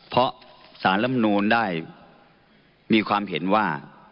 เพราะสารลำนูนได้มีความเห็นว่า